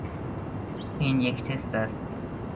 Their plan was to land troops in the south-west of Sicily.